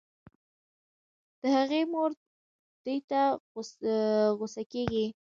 د هغې مور دې ته غو سه کيږي